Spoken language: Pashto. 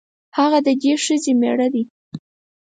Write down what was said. هغه د دې ښځې مېړه دی.